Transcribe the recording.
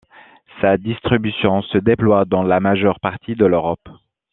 Sa distribution se déploie dans la majeure partie de l'Europe.